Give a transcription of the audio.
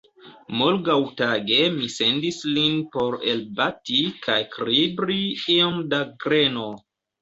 Morgaŭtage mi sendis lin por elbati kaj kribri iom da greno.